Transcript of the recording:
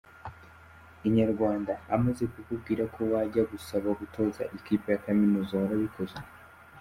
Inayarwanda: Amaze kukubwira ko wajya gusaba gutoza ikipe ya kaminuza, warabikoze?.